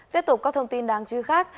tiếp tục có thông tin đáng truy khác